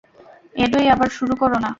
এডই, আবার শুরু কোরো না।